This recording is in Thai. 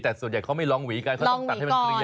แต่ส่วนใหญ่เขาไม่ลองหวีกันเขาต้องตัดให้มันเกลีย